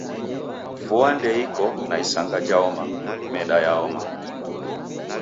Vua ndeiko na isanga jhaoma, meda yaoma